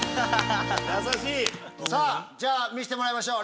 優しい！じゃあ見せてもらいましょう！